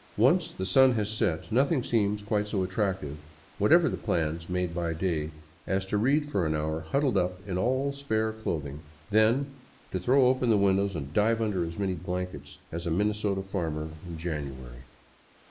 Once the sun has set, nothing seems quite so attractive, whatever the plans made by day, as to read for an hour huddled in all spare clothing, then to throw open the windows and dive under as many blankets as a Minnesota farmer in January.